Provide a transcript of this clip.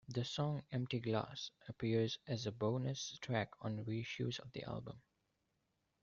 The song "Empty Glass" appears as a bonus track on reissues of the album.